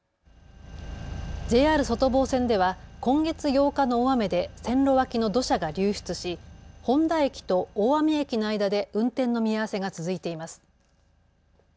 ＪＲ外房線では今月８日の大雨で線路脇の土砂が流出し誉田駅と大網駅の間で運転の見合わせが続いています。